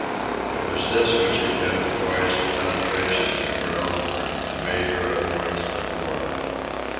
It was this which had given poise and penetration to her own work and made her of worth to the world.